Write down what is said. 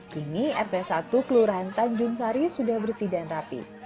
kini rt satu kelurahan tanjung sari sudah bersih dan rapi